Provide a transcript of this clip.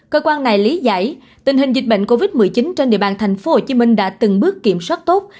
cơ quan này lý giải tình hình dịch bệnh covid một mươi chín trên địa bàn tp hcm đã từng bước kiểm soát tốt